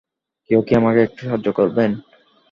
কেউ কি আমাকে একটু সাহায্য করবেন?